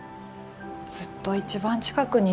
ずっと一番近くにいるのに。